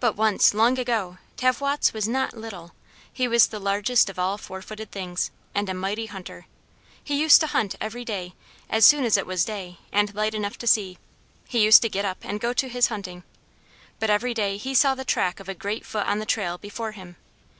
But once, long ago, Tavwots was not little, he was the largest of all four footed things, and a mighty hunter. He used to hunt every day; as soon as it was day, and light enough to see, he used to get up, and go to his hunting. But every day he saw the track of a great foot on the trail, before him.